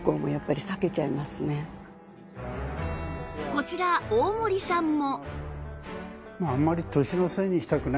こちら大森さんも